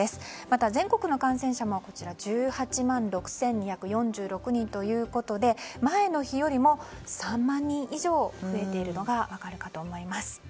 また全国の感染者も１８万６２４６人ということで前の日よりも３万人以上増えているのが分かるかと思います。